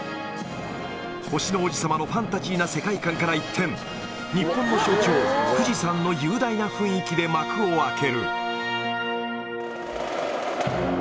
星の王子さまのファンタジーな世界観から一転、日本の象徴、富士山の雄大な雰囲気で幕を開ける。